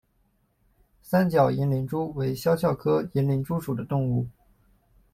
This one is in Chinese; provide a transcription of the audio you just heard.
三角银鳞蛛为肖鞘科银鳞蛛属的动物。